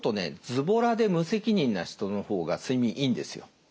ズボラで無責任な人の方が睡眠いいんですよ。